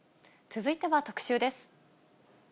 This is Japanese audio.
続いては特集です。